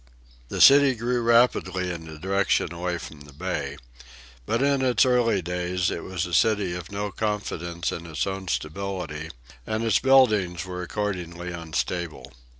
The city grew rapidly in the direction away from the bay. But in its early days it was a city with no confidence in its own stability, and its buildings were accordingly unstable.